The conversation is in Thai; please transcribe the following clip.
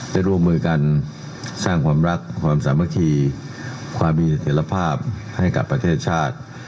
ได้ร่วมมือกันสร้างความรักความสามัคคีความมีเสถียรภาพให้กับประเทศชาติ